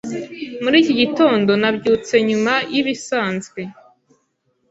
Muri iki gitondo, nabyutse nyuma y'ibisanzwe.